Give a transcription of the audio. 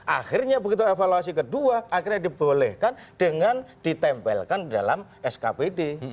akhirnya begitu evaluasi kedua akhirnya dibolehkan dengan ditempelkan dalam skpd